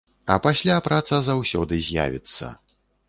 А пасля праца заўсёды з'явіцца.